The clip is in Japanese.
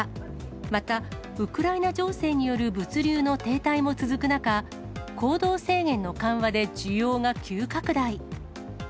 またウクライナ情勢による物流の停滞も続く中、行動制限の緩和で需要が急拡大。